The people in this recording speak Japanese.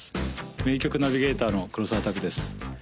名曲ナビゲーターの黒澤拓です